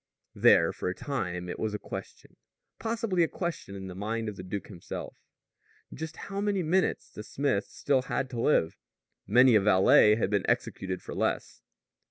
There for a time it was a question possibly a question in the mind of the duke himself just how many minutes the smith still had to live. Many a valet had been executed for less.